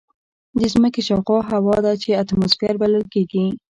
د ځمکې شاوخوا هوا ده چې اتماسفیر بلل کېږي.